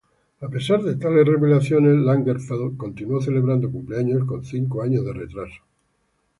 A pesar de tales revelaciones, Lagerfeld continuó celebrando cumpleaños con cinco años de retraso.